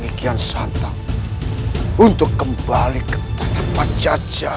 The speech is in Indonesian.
aku akan telah kembali ke sayu